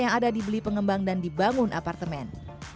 yang ada dibeli pengembang dan dibangun apartemen